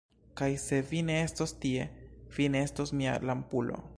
Kaj se vi ne estos tie, vi estos mia lampulo.